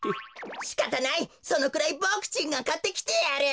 しかたないそのくらいボクちんがかってきてやる。